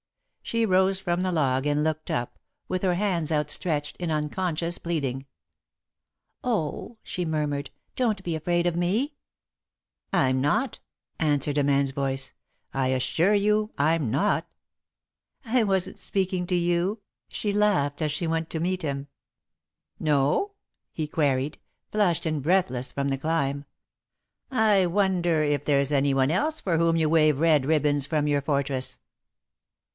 She rose from the log and looked up, with her hands outstretched in unconscious pleading. [Sidenote: He Comes] "Oh," she murmured, "don't be afraid of me!" "I'm not," answered a man's voice. "I assure you I'm not." "I wasn't speaking to you," she laughed, as she went to meet him. "No?" he queried, flushed and breathless from the climb. "I wonder if there is anyone else for whom you wave red ribbons from your fortress!"